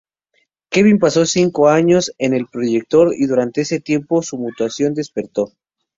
Kevin paso cinco años en el proyector y durante ese tiempo, su mutación desapareció.